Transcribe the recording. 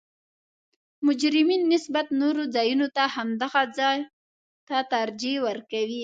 مجرمین نسبت نورو ځایونو ته همدغه ځا ته ترجیح ورکوي